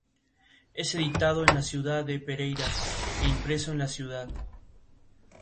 Es editado en la ciudad de Pereira e impreso en la ciudad.